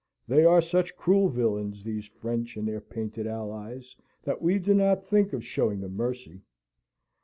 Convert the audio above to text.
They are such cruel villains, these French and their painted allies, that we do not think of showing them mercy.